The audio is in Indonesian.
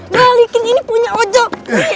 balikin ini punya ojol